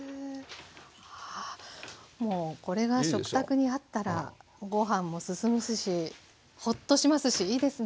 もうこれが食卓にあったらご飯も進みますしほっとしますしいいですね。